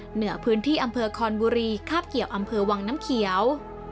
เหนือพื้นที่อำเภอคอนบุรีคาบเกี่ยวอำเภอวังน้ำเขียว